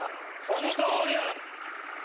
本当である！